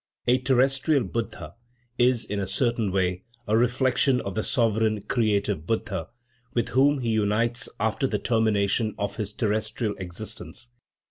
A terrestrial buddha is, in a certain way, a reflection of the sovereign creative Buddha, with whom he unites after the termination of his terrestrial existence.